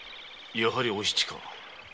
やはりお七か。